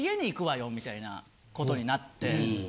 みたいな事になって。